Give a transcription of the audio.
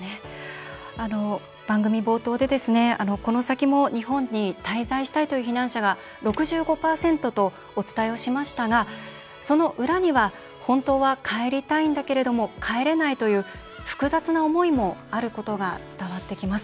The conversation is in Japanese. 番組冒頭でこの先も日本に滞在したいという避難者が６５％とお伝えをしましたがその裏には「本当は帰りたいんだけれども帰れない」という複雑な思いもあることが伝わってきます。